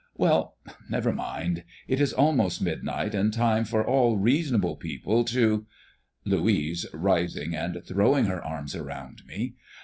Well, never mind; it is almost midnight, and time for all reasonable people to " (Louise, rising and throwing her arms around me.)